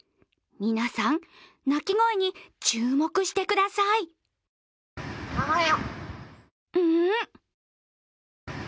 皆さん、鳴き声に注目してくださいん？